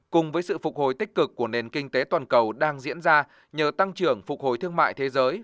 cùng với sự phục hồi tích cực của nền kinh tế toàn cầu đang diễn ra nhờ tăng trưởng phục hồi thương mại thế giới